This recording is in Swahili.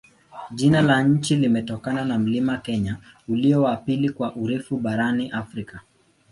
Jina la nchi limetokana na mlima Kenya, ulio wa pili kwa urefu barani Afrika.